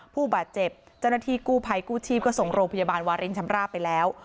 ผู้บาดเจ็บเจ้าหน้าที่กู้ภัยกู้ชีพก็ส่งโรงพยาบาลวารินชำราบไปแล้ว